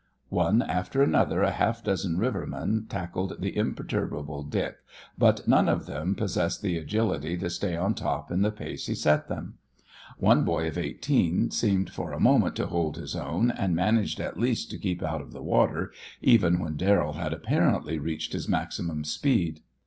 One after another a half dozen rivermen tackled the imperturbable Dick, but none of them possessed the agility to stay on top in the pace he set them. One boy of eighteen seemed for a moment to hold his own, and managed at least to keep out of the water even when Darrell had apparently reached his maximum speed.